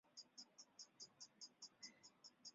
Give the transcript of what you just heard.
资格赛因为小失误导致没能进入个人项目决赛。